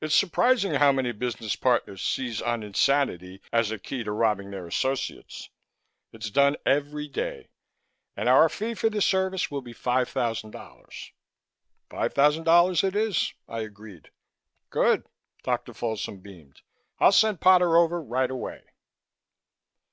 It's surprising how many business partners seize on insanity as a key to robbing their associates. It's done every day. And our fee for this service will be five thousand dollars." "Five thousand dollars it is!" I agreed. "Good!" Dr. Folsom beamed. "I'll send Potter over right away."